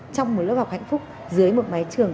trong một lớp học hạnh phúc dưới một mái trường